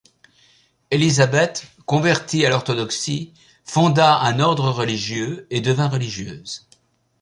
Elisabeth, convertie à l'orthodoxie, fonda un ordre religieux et devint religieuse.